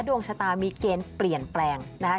ดวงชะตามีเกณฑ์เปลี่ยนแปลงนะคะ